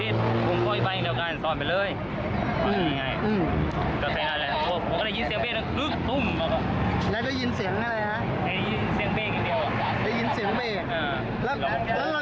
ได้ยินเสียงเบคแล้วเรายืนคู่กันด้วยหรือเปล่า